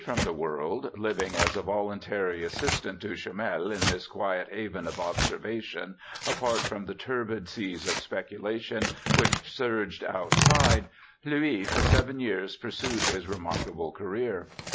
ELISHA BARTLETT 113 from the world, living as a voluntary assistant to Chomel in this quiet haven of observation, apart from the turbid seas of speculation which surged outside, Louis for seven years pursued his remarkable career.